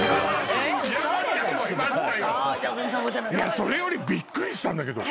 それよりびっくりしたんだけど。